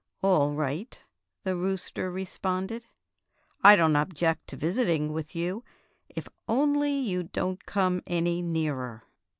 "All right," the rooster responded; "I don't object to visiting with you, if only you don't come any nearer."